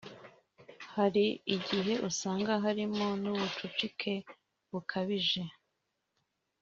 Hari igihe usanga harimo n’ubucucike bukabije